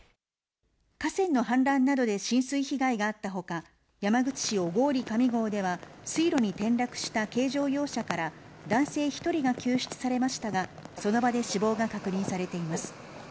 河川の氾濫などで浸水被害があったほか、山口市小郡上郷では、水路に転落した軽乗用車から、男性１人が救出されましたが、その場で死亡が確認されています。